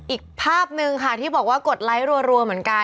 อีกภาพนึงค่ะที่บอกว่ากดไลค์รัวเหมือนกัน